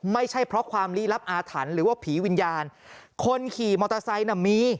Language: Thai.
ไม่ใช่เพราะความลี้ลับอาถรรพ์หรือว่าผีวิญญาณคนขี่มอเตอร์ไซค์น่ะมี